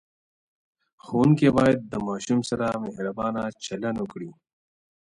ښوونکي باید د ماشوم سره مهربانه چلند وکړي.